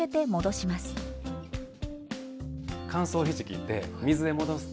乾燥ひじきって水で戻すと。